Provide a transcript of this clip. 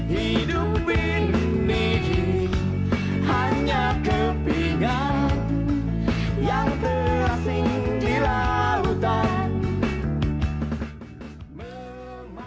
hidup ini hanya kepingan yang tersinggung di lautan